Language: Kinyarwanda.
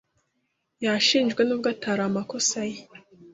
yashinjwe nubwo atari amakosa ye.